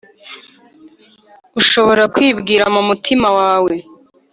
Ushobora kwibwira mu mutima wawe